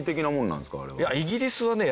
イギリスはね